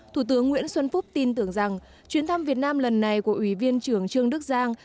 thủ tướng nguyễn xuân phúc tin tưởng rằng chuyến thăm việt nam lần này của ủy viên trưởng trương đức giang